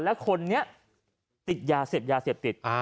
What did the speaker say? และคนนี้ติดยาเสพยาเสพติด